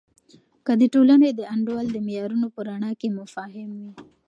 که د ټولنې د انډول د معیارونو په رڼا کې مفاهیم وي.